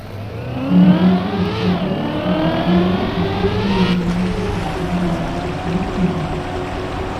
Como diosa del fuego submarino ocupa un lugar muy secundario en el panteón hindú.